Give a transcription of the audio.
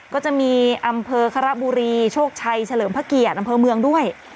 ก็จะมีอำเภอคระบุรีโชคชัยเฉลิมพระเกียรติอำเภอเมืองด้วย